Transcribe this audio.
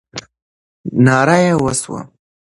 ناره یې وسوه.